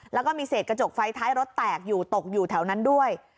แล้วก็มีเศษกระจกไฟท้ายรถแตกอยู่ตกอยู่แถวนั้นด้วย